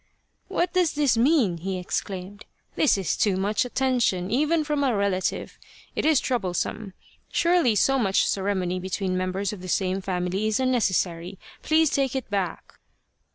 " What does this mean ?" he exclaimed. " This is too much attention even from a relative. It is trouble some. Surely so much ceremony between members of the same family is unnecessary. Please take it back."